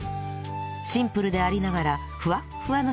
シンプルでありながらふわっふわの